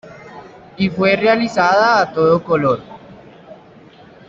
Y fue realizada a todo color.